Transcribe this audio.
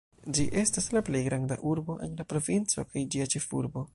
Ĝi estas la plej granda urbo en la provinco kaj ĝia ĉefurbo.